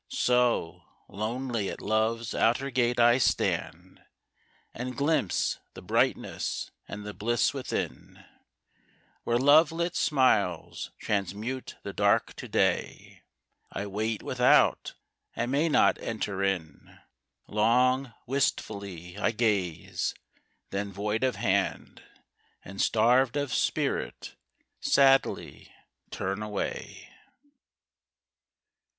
So, lonely at Love's outer gate I stand And glimpse the brightness and the bliss within, Where love lit smiles transmute the dark to day I wait without I may not enter in; Long, wistfully, I gaze then void of hand And starved of spirit, sadly turn away.